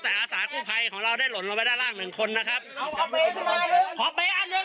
แต่อาสาหกู้ไพลของเราได้หล่นลงไปด้านล่าง๑คนนะครับ